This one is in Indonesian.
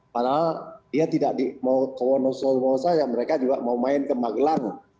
padahal dia tidak mau ke wonosobo saja mereka juga mau main ke magelang